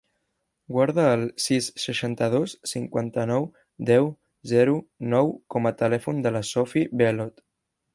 Guarda el sis, seixanta-dos, cinquanta-nou, deu, zero, nou com a telèfon de la Sophie Bellot.